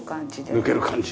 抜ける感じ。